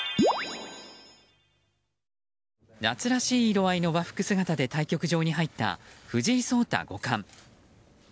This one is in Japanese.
夏らしい色合いの和服姿で対局場に入った藤井聡太五冠。